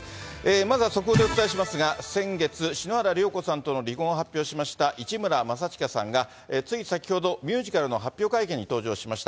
まずは速報でお伝えしますが、先月、篠原涼子さんとの離婚を発表しました市村正親さんが、つい先ほど、ミュージカルの発表会見に登場しました。